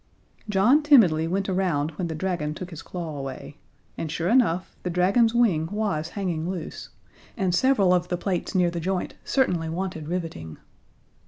John timidly went around when the dragon took his claw away; and sure enough, the dragon's wing was hanging loose, and several of the plates near the joint certainly wanted riveting.